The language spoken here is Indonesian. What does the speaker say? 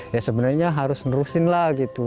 ya sebenarnya harus nerusin lah gitu